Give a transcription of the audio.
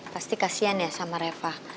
pasti kasian ya sama reva